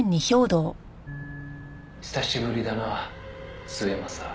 「久しぶりだな末政」